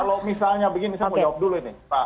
kalau misalnya begini saya mau jawab dulu ini